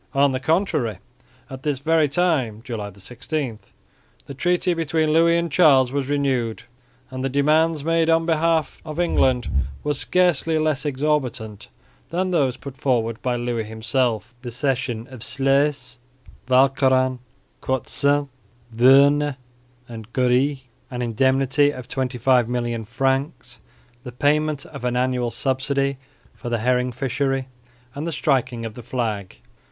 On the contrary at this very time (July 16) the treaty between Louis and Charles was renewed; and the demands made on behalf of England were scarcely less exorbitant than those put forward by Louis himself the cession of Sluis, Walcheren, Cadsand, Voorne and Goerce, an indemnity of 25,000,000 francs, the payment of an annual subsidy for the herring fishery, and the striking of the flag.